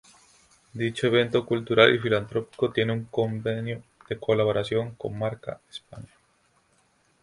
Dicho evento cultural y filantrópico tiene un convenio de colaboración con Marca España.